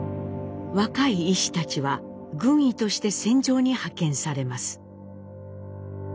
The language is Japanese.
若い医師たちは軍医として戦場に派遣されます。